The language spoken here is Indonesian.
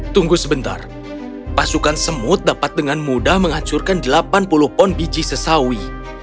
tunggu sebentar pasukan semut dapat dengan mudah menghancurkan delapan puluh ton biji sesawi